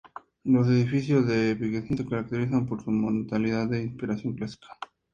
Los edificios de Piacentini se caracterizan por su monumentalidad de inspiración clásica.